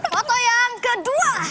foto yang kedua